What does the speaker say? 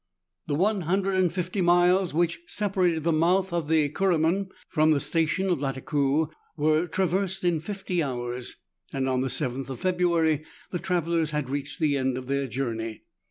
The 150 miles which separated the mouth of the Kuru man from the station of Lattakoo were traversed in fifty hours, and on the 7th of February the travellers had reached the end of their journey.